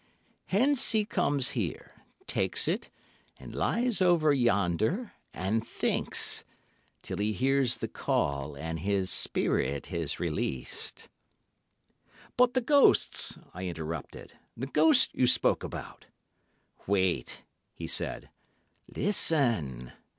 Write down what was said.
Hence he comes here, takes it, and lies over yonder, and thinks, till he hears the call and his spirit is released." "But the ghosts," I interrupted, "the ghosts you spoke about." "Wait," he said. "Listen!